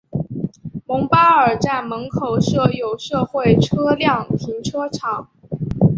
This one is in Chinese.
蒙巴尔站门口设有社会车辆停车场。